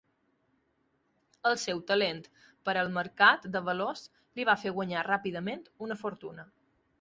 El seu talent per al mercat de valors li va fer guanyar ràpidament una fortuna.